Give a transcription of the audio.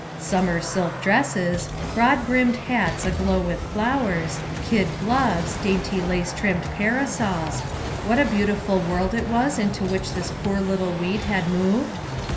Summer silk dresses, broad brimmed hats aglow with flowers, kid gloves, dainty lace trimmed parasols what a beautiful world it was into which this poor little weed had moved